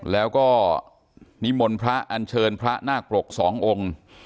แล้วก็นิมนต์พระอันเชิญพระนาคปรกสององค์